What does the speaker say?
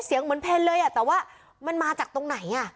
เสียงเหมือนเพ็ญเลยแต่ว่ามันมาจากตรงไหน